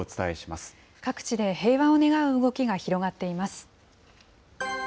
各地で平和を願う動きが広がっています。